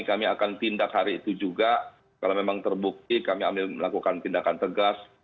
kami akan tindak hari itu juga kalau memang terbukti kami melakukan tindakan tegas